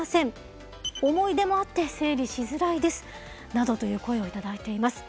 などという声を頂いています。